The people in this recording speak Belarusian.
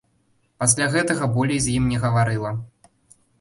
Пасля гэтага болей з ім не гаварыла.